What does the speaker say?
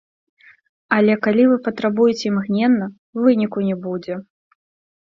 Але калі вы патрабуеце імгненна, выніку не будзе.